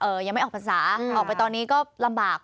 ยังไม่ออกภาษาออกไปตอนนี้ก็ลำบาก